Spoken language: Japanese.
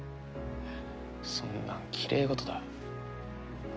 そんなのきれいごとだ。